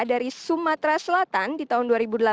dari sumatera selatan di tahun dua ribu delapan belas